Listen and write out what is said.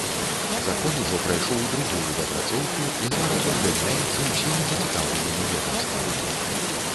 Закон ужо прайшоў другую дапрацоўку і зараз узгадняецца ўсімі зацікаўленымі ведамствамі.